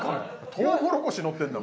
トウモロコシのってるんだ